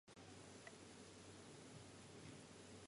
O yiilake fattude fuu, o yiʼaay koo ɗume!